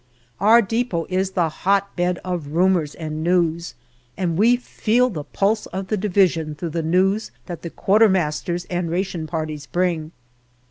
Our depot is the hot bed of rumours and news, and we feel the pulse of the Division through the news that the Quartermasters and ration parties bring.